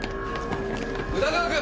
宇田川君！